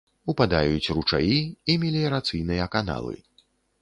Упадаюць ручаі і меліярацыйныя каналы.